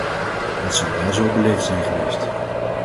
Dat zou wel zo beleefd zijn geweest.